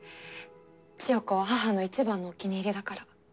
千世子は母のいちばんのお気に入りだから。